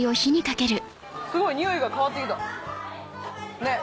すごい匂いが変わってきたね？